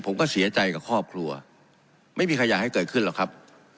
ผมก็เสียใจกับครอบครัวไม่มีใครอยากให้เกิดขึ้นหรอกครับ